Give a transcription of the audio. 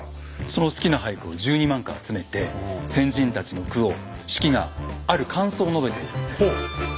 その好きな俳句を１２万句集めて先人たちの句を子規がある感想を述べているんです。